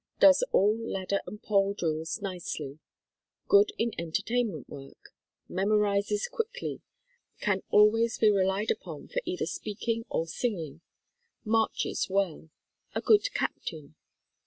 Does all ladder and pole drills nicely. Good in en tertainment work. Memorizes quickly. Can always be relied upon for either speaking or singing. Marches well. A good captain.